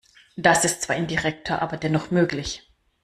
Das ist zwar indirekter, aber dennoch möglich.